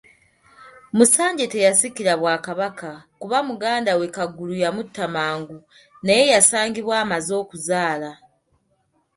Musanje teyasikira Bwakabaka, kuba muganda we Kagulu yamutta mangu, naye yasangibwa amaze okuzaala.